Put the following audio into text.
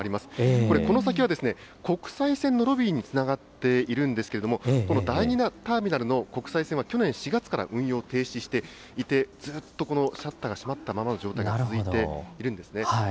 これ、この先は国際線のロビーにつながっているんですけれども、この第２ターミナルの国際線は去年４月から運用停止していて、ずっとこのシャッターが閉まったままの状態が続いているんですね。